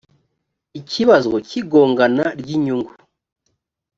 ikibazo cy igongana ry inyungu